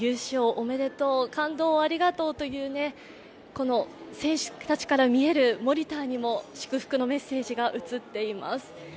おめでとう、感動をありがとうという選手たちから見えるモニターにも祝福のメッセージが映っています。